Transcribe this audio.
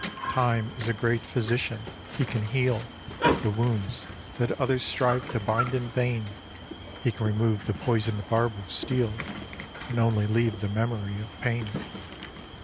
Time is a great Physician — he can heal The wounds that others strive to bind in vain j He can remove the poison'd barb of steel, And only leave the memory of pain